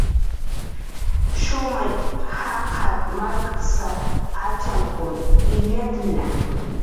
"Shumay jaqar markst"" atxamkun illt'atna"